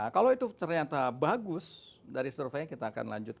kalau itu ternyata bagus dari survei kita akan mencoba